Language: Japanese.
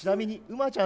馬ちゃん。